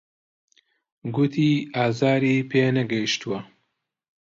گوتی ئازاری پێ نەگەیشتووە.